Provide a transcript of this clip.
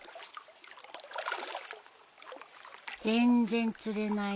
全然釣れないね。